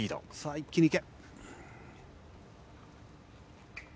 一気にいけ。